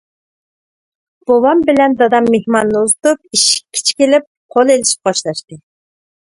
بوۋام بىلەن دادام مېھماننى ئۇزىتىپ ئىشىككىچە كېلىپ قول ئېلىشىپ خوشلاشتى.